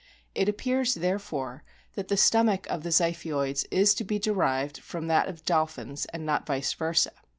It appears, therefore, that the stomach of the Ziphioids is to be derived from that of dolphins, and not vice versa.